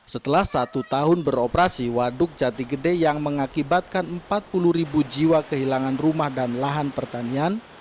setelah satu tahun beroperasi waduk jati gede yang mengakibatkan empat puluh ribu jiwa kehilangan rumah dan lahan pertanian